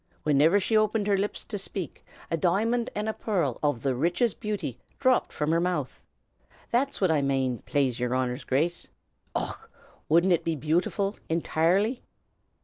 Whiniver she opened her lips to shpake, a di'mond an' a pearrl o' the richest beauty dhropped from her mouth. That's what I mane, plaze yer Honor's Grace. Och! wudn't it be beautiful, entirely?"